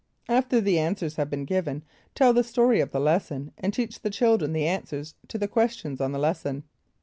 After the answers have been given, tell the story of the lesson and teach the children the answers to the questions on the lesson.